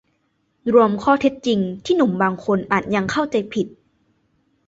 รวมข้อเท็จจริงที่หนุ่มบางคนอาจยังเข้าใจผิด